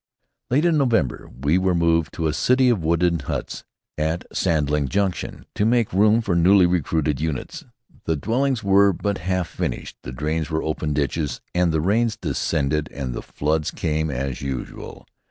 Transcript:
Late in November we were moved to a city of wooden huts at Sandling Junction, to make room for newly recruited units. The dwellings were but half finished, the drains were open ditches, and the rains descended and the floods came as usual.